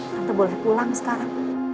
tante boleh pulang sekarang